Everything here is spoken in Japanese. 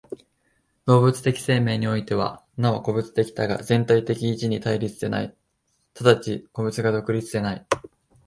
動物的生命においては、なお個物的多が全体的一に対立せない、即ち個物が独立せない。